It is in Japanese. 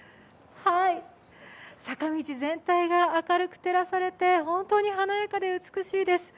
坂道全体が明るく照らされて本当に華やかで、美しいです。